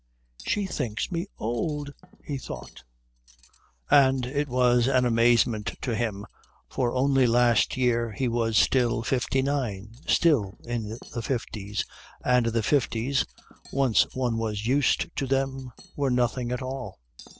"She thinks me old," he thought; and it was an amazement to him, for only last year he was still fifty nine, still in the fifties, and the fifties, once one was used to them, were nothing at all.